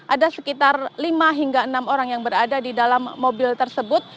ada sekitar lima hingga enam orang yang berada di dalam mobil tersebut